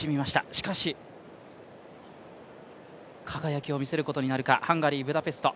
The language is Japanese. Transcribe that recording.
しかし輝きを見せることになるか、ハンガリー・ブダペスト。